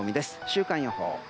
週間予報。